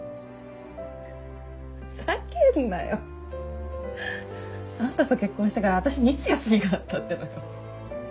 ふざけんなよ。あんたと結婚してから私にいつ休みがあったってのよ。